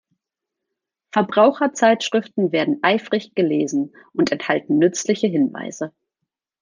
Verbraucherzeitschriften werden eifrig gelesen und enthalten nützliche Hinweise.